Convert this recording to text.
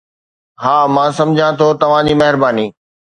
ها، مان سمجهان ٿو، توهان جي مهرباني